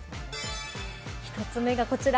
１つ目がこちら。